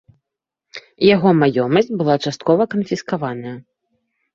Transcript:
Яго маёмасць была часткова канфіскаваная.